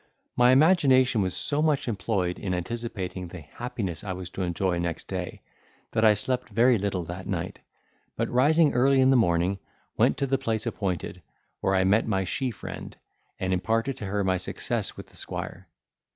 My imagination was so much employed in anticipating the happiness I was to enjoy next day, that I slept very little that night; but, rising early in the morning, went to the place appointed, where I met my she friend, and imparted to her my success with the squire.